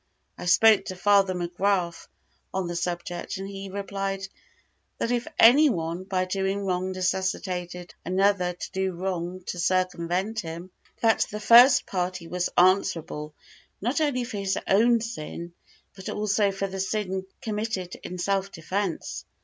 I spoke to Father McGrath on the subject, and he replied, `That if any one, by doing wrong, necessitated another to do wrong to circumvent him, that the first party was answerable, not only for his own sin, but also for the sin committed in self defence.'"